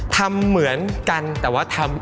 ทำเหมือนกันแต่ว่าทำ